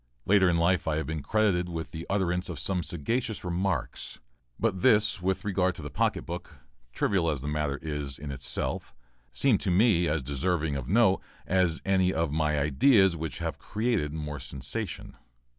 Later in life I have been credited with the utterance of some sagacious remarks, but this with regard to the pocket book, trivial as the matter is in itself, seems to me quite as deserving of note as any of my ideas which have created more sensation.